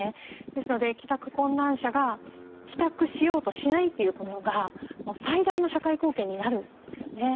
ですので、帰宅困難者が帰宅しようとしないということが最大の社会貢献になるんですよね。